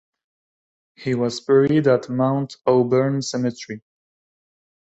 He was buried at Mount Auburn Cemetery.